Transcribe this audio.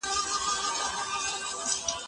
ته ولي مېوې وچوې!.